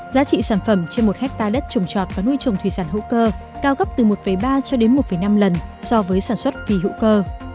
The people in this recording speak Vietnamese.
giá trị sản phẩm trên một hectare đất trồng trọt và nuôi trồng thủy sản hữu cơ cao gấp từ một ba cho đến một năm lần so với sản xuất phi hữu cơ